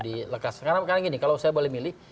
dilekas karena gini kalau saya boleh milih